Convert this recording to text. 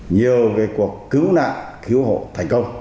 nhiều cuộc cứu nạn cứu hộ thành công